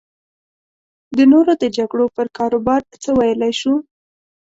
د نورو د جګړو پر کاروبار څه ویلی شو.